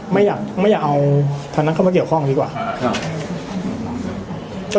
ไม่อยากไม่อยากเอาทางนั้นเข้ามาเกี่ยวข้องดีกว่าครับ